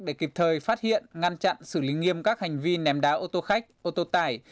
để kịp thời phát hiện ngăn chặn xử lý nghiêm các hành vi ném đá ô tô khách ô tô tải